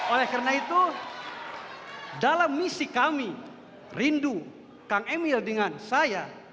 oleh karena itu dalam misi kami rindu kang emil dengan saya